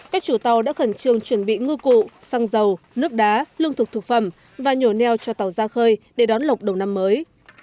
các chủ tàu đã khẩn trương chuẩn bị ngư cụ xăng dầu nước đá lương thực thực phẩm và nhổ neo cho tàu ra khơi để đón lọc đầu năm mới